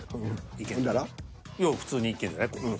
いや普通にいけんじゃない？